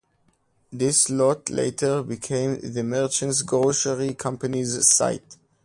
This lot later became the Merchants Grocery Company's site.